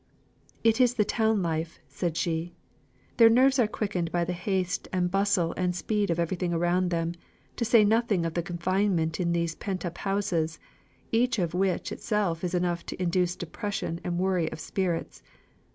"It is the town life," said she. "Their nerves are quickened by the haste and bustle and speed of everything around them, to say nothing of the confinement in these pent up houses, which of itself is enough to induce depression and worry of spirits.